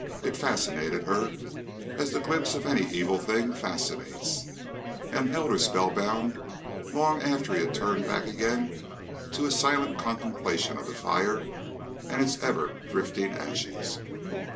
It fascinated her, as the glimpse of any evil thing fascinates, and held her spell bound long after he had turned back again to his silent contemplation of the fire and its ever drifting ashes.